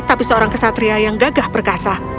tapi seorang kesatria yang gagah perkasa